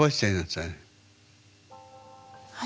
はい。